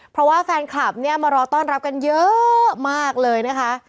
เพราะว่าแฟนคลับเนี่ยมารอต้อนรับกันเยอะมากเลยนะคะ